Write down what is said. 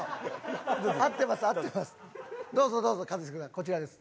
こちらです。